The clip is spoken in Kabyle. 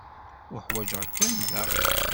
Uḥwaǧeɣ-ken da.